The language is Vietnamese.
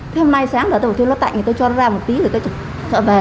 thế hôm nay sáng đó tôi bảo tôi nó tạnh tôi cho nó ra một tí rồi tôi chọn về